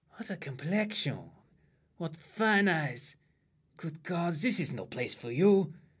] What a complexion! What fine eyes! Good God! This is no place for you!